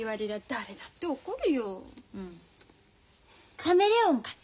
カメレオンかって。